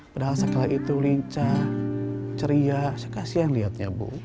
padahal sakila itu lincah ceria saya kasian lihatnya bu